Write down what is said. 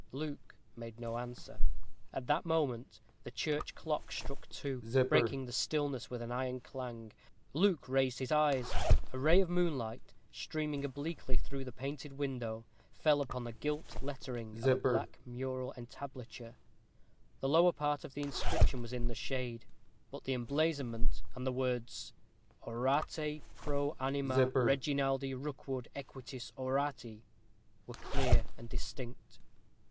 Luke made no answer. At that moment, the church clock struck two, breaking the stillness with an iron clang. Luke raised his eyes. A ray of moonlight, streaming obliquely through the painted window, fell upon the gilt lettering of a black mural entablature. The lower part of the inscription was in the shade, but the emblazonment, and the words Orate pro anima Reginaldi Rookwood equitis aurati, were clear and distinct.